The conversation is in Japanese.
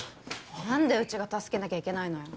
何でうちが助けなきゃいけないのよ